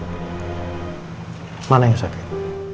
ma kasih tau papa apa yang sakit